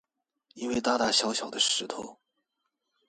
因為大大小小的石頭